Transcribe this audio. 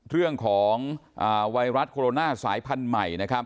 เรื่องของไวรัสโคโรน่าสายพันธุ์ใหม่